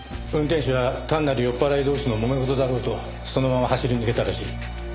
運転手は単なる酔っ払い同士のもめ事だろうとそのまま走り抜けたらしい。